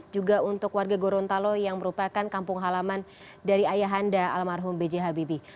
juga untuk warga gorontalo yang merupakan kampung halaman dari ayahanda almarhum biji habibie